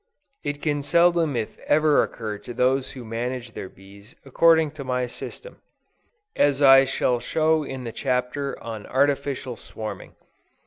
It can seldom if ever occur to those who manage their bees according to my system; as I shall show in the Chapter on Artificial Swarming.